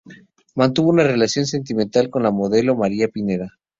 Mantuvo una relación sentimental con la modelo María Pineda.